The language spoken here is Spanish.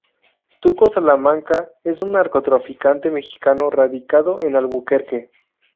Tuco Salamanca es un narcotraficante mexicano radicado en Albuquerque.